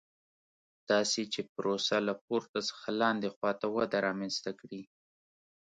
داسې چې پروسه له پورته څخه لاندې خوا ته وده رامنځته کړي.